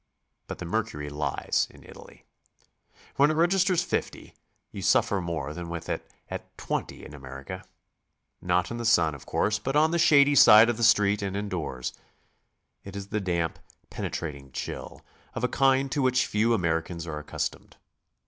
But the mercury lies in Italy. When it registers 50, you suffer more than with it at 20 in America, — not in the sun, of course, but on the shady side of the street and indoors. It is the damp, penetrating chill, of a kind to which few Americans are accustomed.